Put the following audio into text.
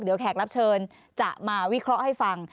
เดี๋ยวแขกรับเชิญจะมาวิเคราะห์ให้ฟัง